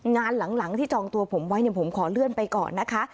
งานหลังที่จองตัวผมไว้ผมขอเลื่อนไปก่อนนะคะ